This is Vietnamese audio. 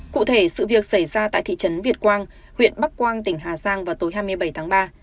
cụ thể sự việc xảy ra tại thị trấn việt quang huyện bắc quang tỉnh hà giang vào tối hai mươi bảy tháng ba